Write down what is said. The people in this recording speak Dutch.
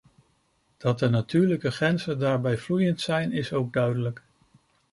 Dat de natuurlijke grenzen daarbij vloeiend zijn, is ook duidelijk.